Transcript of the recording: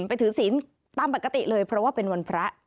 ไปถือศีลตามปกติเลยเพราะว่าเป็นวันพระ